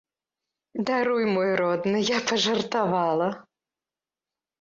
Даруй, мой родны, я пажартавала.